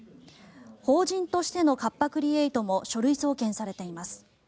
法人としてのカッパ・クリエイトも書類送検されています。